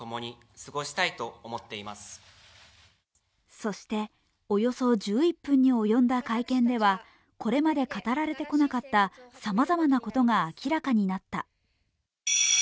そしておよそ１１分に及んだ会見では、これまで語られてこなかったさまざまなことが明らかになった。